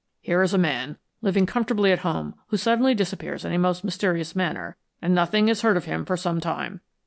Here is a man living comfortably at home who suddenly disappears in a most mysterious manner, and nothing is heard of him for some time.